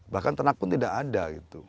bahkan ternak pun tidak ada